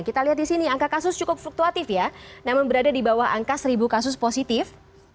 kita lihat di sini angka kasus cukup fluktuatif ya namun berada di bawah angka seribu kasus positif